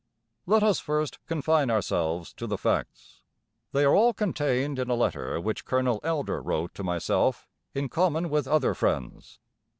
Let us first confine ourselves to the facts. They are all contained in a letter which Colonel Elder wrote to myself in common with other friends.